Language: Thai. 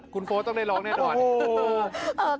คุณโฟสต้องได้ร้องแน่นอน